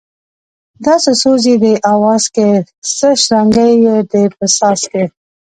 دا څه سوز یې دی اواز کی څه شرنگی یې دی په ساز کی